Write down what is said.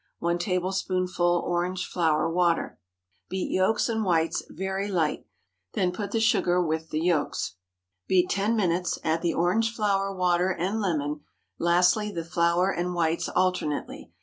1 tablespoonful orange flower water. Beat yolks and whites very light; then put the sugar with the yolks. Beat ten minutes, add the orange flower water and lemon; lastly, the flour and whites alternately.